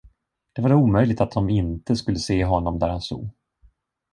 Det var då omöjligt att de inte skulle se honom där han stod.